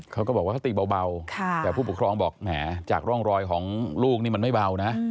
เขาก็บอกว่าเขาตีเบาแต่ผู้ปกครองบอกแหมจากร่องรอยของลูกนี่มันไม่เบานะ